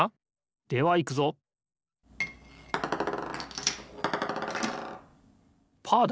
ではいくぞパーだ！